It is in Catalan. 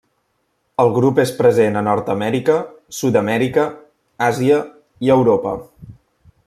El grup és present a Nord-amèrica, Sud-amèrica, Àsia i Europa.